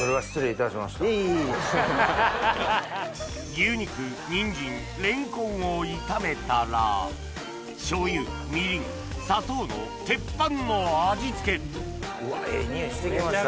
牛肉にんじんレンコンを炒めたら醤油みりん砂糖の鉄板の味付けええ匂いしてきました。